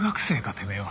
てめえは。